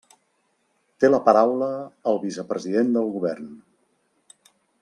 Té la paraula el vicepresident del Govern.